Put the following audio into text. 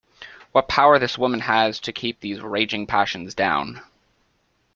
What power this woman has to keep these raging passions down!